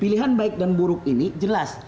pilihan baik dan buruk ini jelas